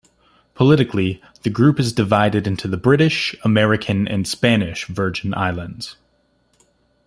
Politically, the group is divided into the British, American, and Spanish Virgin Islands.